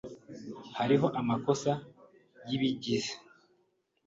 Hariho amakosa yibigize.